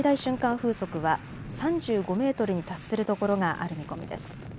風速は３５メートルに達するところがある見込みです。